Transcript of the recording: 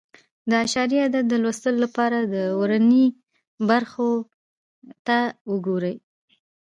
د اعشاري عدد د لوستلو لپاره د ورنيې برخو ته وګورئ.